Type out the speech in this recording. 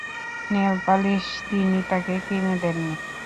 Nail polish তিনি তাকে কিনে দেন নি।